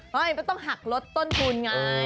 ไม่ต้องหักรถต้นทูลไงเออ